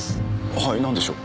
はいなんでしょう？